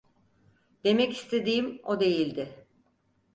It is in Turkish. Demek istediğim o değildi.